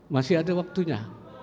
masih ada waktunya